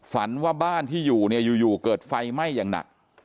ฝันว่าบ้านที่อยู่เนี่ยอยู่เกิดไฟไหม้อย่างหนัก